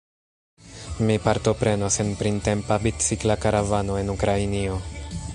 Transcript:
Mi partoprenos en printempa bicikla karavano en Ukrainio.